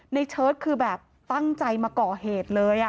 เชิดคือแบบตั้งใจมาก่อเหตุเลย